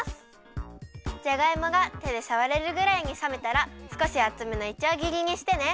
じゃがいもがてでさわれるぐらいにさめたらすこしあつめのいちょうぎりにしてね。